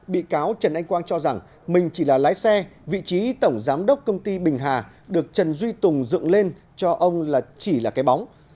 bị cáo trần anh quang cho rằng mình chỉ là lái xe vị trí tổng giám đốc công ty bình hà được trần duy tùng dựng lên cho ông là chỉ là cái bóng